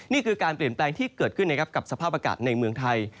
นี่คือการเปลี่ยนแปลงที่เกิดขึ้นนะครับกับสภาพอากาศในเมืองไทย